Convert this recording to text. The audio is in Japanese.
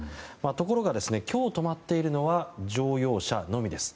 ところが、今日止まっているのは乗用車のみです。